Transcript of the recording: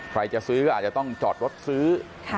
ใครจะซื้อก็อาจจะต้องจอดรถซื้อ